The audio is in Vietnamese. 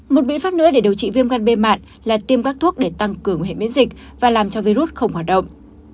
một biện pháp nữa để điều trị viêm gan b mạng là tiêm các thuốc để tăng cường hệ miễn dịch và làm cho virus không hoạt động